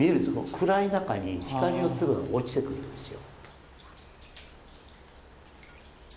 暗い中に光の粒が落ちてくるんですよ。